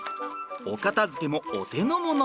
お片づけもお手の物。